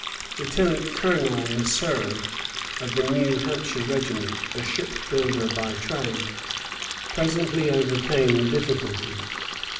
Lieutenant Colonel Meserve, of the New Hampshire regiment, a ship builder by trade, presently overcame the difficulty.